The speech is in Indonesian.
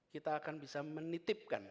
kita akan bisa menitipkan